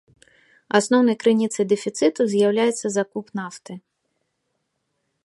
Асноўнай крыніцай дэфіцыту з'яўляецца закуп нафты.